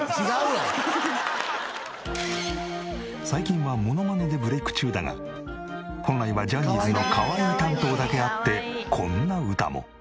最近はモノマネでブレイク中だが本来はジャニーズのかわいい担当だけあってこんな歌も。